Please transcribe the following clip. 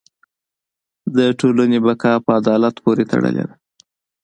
د ټولنې بقاء په عدالت پورې تړلې ده.